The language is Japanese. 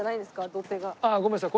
ごめんなさい